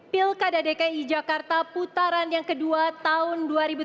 pilkada dki jakarta putaran yang kedua tahun dua ribu tujuh belas